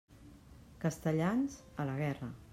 Castellans, a la gerra.